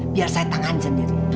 biar saya tangan sendiri